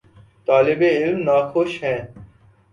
طالب علم ناخوش ہیں۔